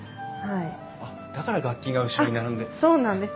あっだから楽器が後ろに並んで。